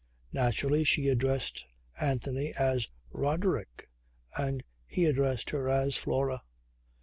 Naturally she addressed Anthony as Roderick and he addressed her as Flora.